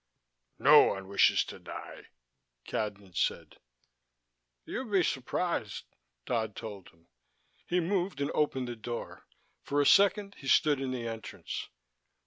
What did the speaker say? "No one wishes to die," Cadnan said. "You'd be surprised," Dodd told him. He moved and opened the door. For a second he stood in the entrance.